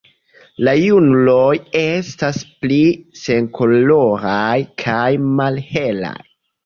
La junuloj estas pli senkoloraj kaj malhelaj.